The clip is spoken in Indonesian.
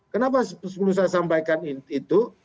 kenapa sebelum saya sampaikan itu